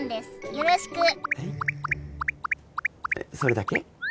よろしくはいえっそれだけ？